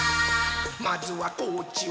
「まずはこっちを」